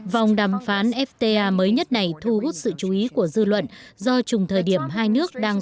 vòng đàm phán fta mới nhất này thu hút sự chú ý của dư luận do chùng thời điểm hai nước đang